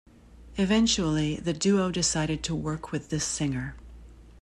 Eventually, the duo decided to work with the singer.